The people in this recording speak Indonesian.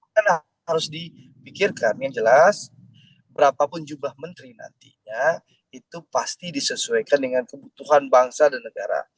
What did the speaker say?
kan harus dipikirkan yang jelas berapapun jumlah menteri nantinya itu pasti disesuaikan dengan kebutuhan bangsa dan negara